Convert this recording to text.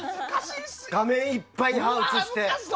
画面いっぱいに歯を映して。